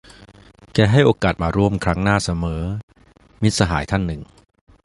แกให้โอกาสมาร่วมครั้งหน้าเสมอ - มิตรสหายท่านหนึ่ง